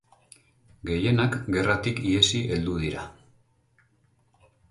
Gehienak gerratik ihesi heldu dira.